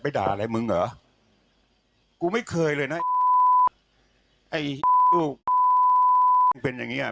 ไปด่าอะไรมึงอ่ะกูไม่เคยเลยนะไอ้เป็นอย่างงี้อ่ะ